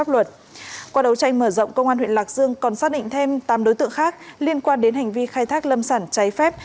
lạc dương còn xác định thêm tám đối tượng khác liên quan đến hành vi khai thác lâm sản trái phép